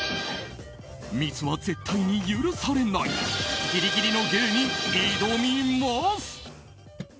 ミスは絶対に許されないギリギリの芸に挑みます。